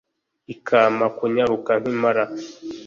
ikampa kunyaruka nk'impara